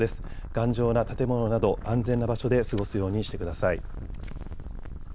頑丈な建物など安全な場所で過ごすようにしてください。